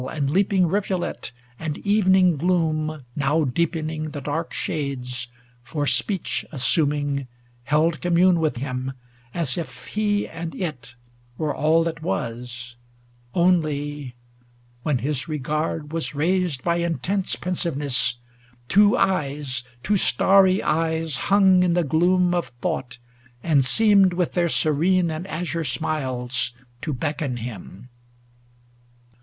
And leaping rivulet, and evening gloom Now deepening the dark shades, for speech assuming. Held commune with him, as if he and it Were all that was ; only ŌĆö when his regard Was raised by intense pensiveness ŌĆö two eyes, Two starry eyes, hung in the gloom of thought, 490 And seemed with their serene and azure smiles To beckon him.